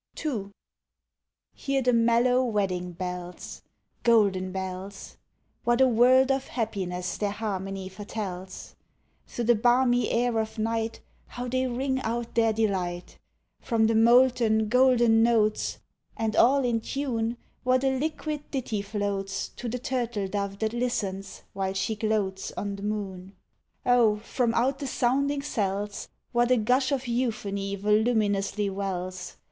II. Hear the mellow wedding bells, Golden bells! What a world of happiness their harmony foretells! Through the balmy air of night How they ring out their delight! From the molten golden notes, And all in tune, What a liquid ditty floats To the turtle dove that listens, while she gloats On the moon! Oh, from out the sounding cells, What a gush of euphony voluminously wells!